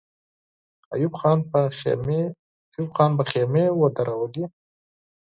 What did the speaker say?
ایوب خان به خېمې ودرولي.